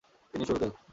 তিনি শুরুতে।